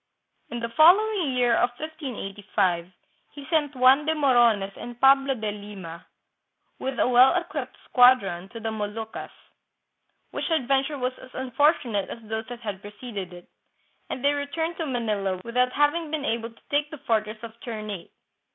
" In the following year of 1585, he sent Juan de Morones and Pablo de Lima, with a well equipped squadron, to the Moluccas, which adventure was as unfortunate as those that had preceded it, and they returned to Manila without having been able to take the fortress of Ternate.